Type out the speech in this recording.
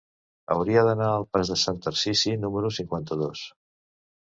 Hauria d'anar al pas de Sant Tarsici número cinquanta-dos.